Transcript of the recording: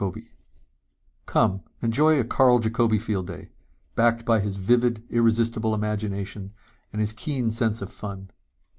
net _Come, enjoy a Carl Jacobi field day backed by his vivid, irresistible imagination and his keen sense of fun.